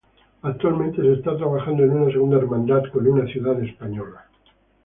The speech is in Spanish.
Actualmente se está trabajando en una segunda hermandad con una ciudad española.